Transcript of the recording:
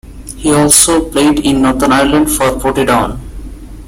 He also played in Northern Ireland for Portadown.